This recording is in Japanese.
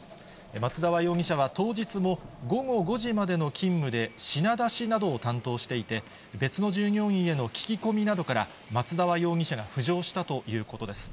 松沢容疑者は、当日も午後５時までの勤務で品出しなどを担当していて、別の従業員への聞き込みなどから、松沢容疑者が浮上したということです。